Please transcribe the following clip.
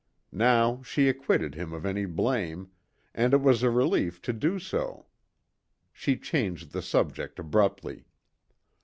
Now she acquitted him of any blame, and it was a relief to do so. She changed the subject abruptly.